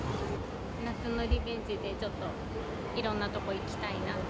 夏のリベンジでちょっと、いろんなとこ行きたいなと。